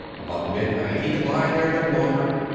About midnight he could lie there no longer.